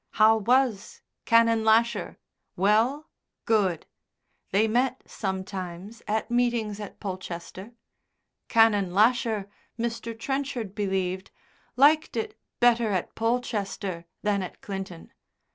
How was Canon Lasher? Well? Good. They met sometimes at meetings at Polchester. Canon Lasher, Mr. Trenchard believed, liked it better at Polchester than at Clinton.